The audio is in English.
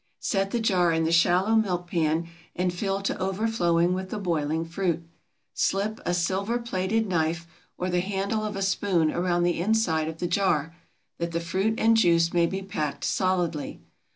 Set the jar in the shallow milk pan and fill to overflowing with the boiling fruit. Slip a silver plated knife or the handle of a spoon around the inside of the jar, that the fruit and juice may be packed solidly.